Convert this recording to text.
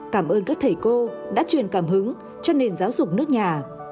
cảm ơn các thầy cô đã truyền cảm hứng cho nền giáo dục nước nhà